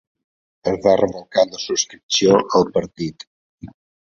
Es va revocar la subscripció al partit.